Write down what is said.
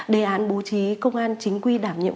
đề án bố trí công an chính quy đảm nhiệm